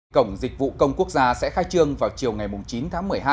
cổng dịch vụ công quốc gia sẽ khai trương vào chiều ngày chín tháng một mươi hai